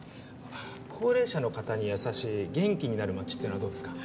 高齢者の方に優しい元気になる街ってのはどうですか。